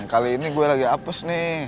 kali ini gue lagi apes nih